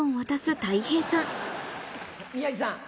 宮治さん。